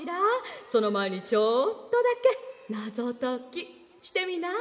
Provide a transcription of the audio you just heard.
そのまえにちょっとだけナゾときしてみない？」。